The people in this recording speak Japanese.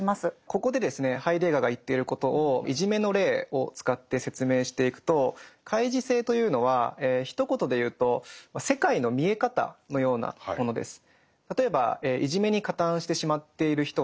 ここでですねハイデガーが言っていることをいじめの例を使って説明していくと開示性というのはひと言でいうと世界の見え方のようなものです。